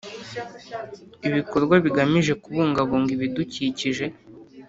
ibikorwa bigamije kubungabunga ibidukikije